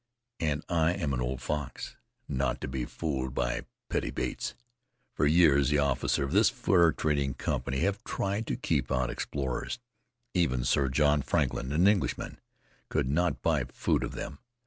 I am an old fox, not to be fooled by pretty baits. For years the officers of this fur trading company have tried to keep out explorers. Even Sir John Franklin, an Englishman, could not buy food of them.